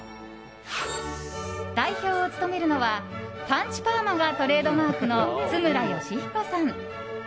代表を務めるのはパンチパーマがトレードマークの津村佳彦さん。